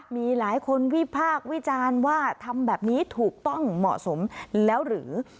มีหลายคนวิพากษ์วิจารณ์ว่าทำแบบนี้ถูกต้องเหมาะสมแล้วหรือ